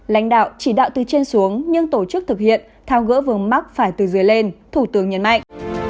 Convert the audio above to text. lãnh đạo chỉ đạo từ trên xuống nhưng tổ chức thực hiện thao gỡ vương mắc phải từ dưới lên thủ tướng nhấn mạnh